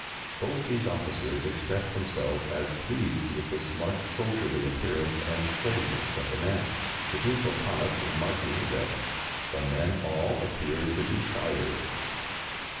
Both these officers expressed themselves as pleased with the smart soldierly appearance and steadiness of the men, the Duke of Connaught remarking that "the men all appeared to be triers."